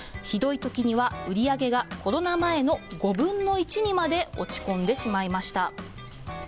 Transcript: ひどい時には売り上げがコロナ前の５分の１にまで落ち込んでしまいました。